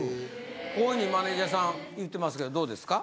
こういうふうにマネジャーさん言ってますけどどうですか？